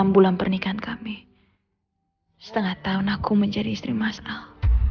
enam bulan pernikahan kami setengah tahun aku menjadi istri mas al